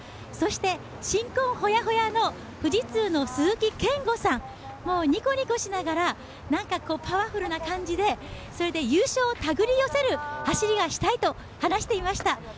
そして、新婚ホヤホヤの富士通の鈴木健吾さん、にこにこしながらパワフルな感じで、それで優勝を手繰り寄せる走りがしたいと話していました。